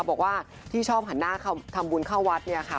บอกว่าที่ชอบหันหน้าทำบุญเข้าวัดเนี่ยค่ะ